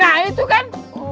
nah itu kan